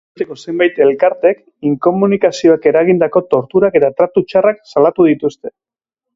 Nazioarteko zenbait elkartek inkomunikazioak eragindako torturak eta tratu txarrak salatu dituzte.